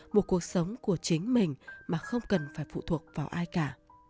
một cuộc sống của chính mình mà không cần phải phụ thuộc vào ai cả